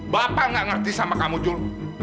bapak gak ngerti sama kamu dulu